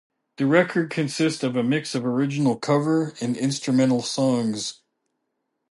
The record consists of a mix of original, cover, and instrumental songs.